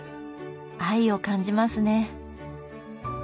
愛を感じますね。